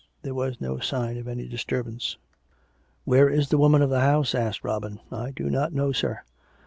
There was no sign of any disturb ance. " Where is the woman of the house ?" asked Robin. " I do not know, sir."